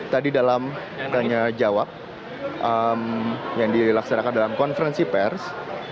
tadi dalam tanya jawab yang dilaksanakan dalam konferensi pers